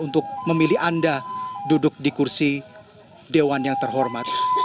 untuk memilih anda duduk di kursi dewan yang terhormat